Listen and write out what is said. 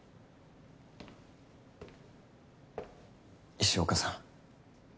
・石岡さん。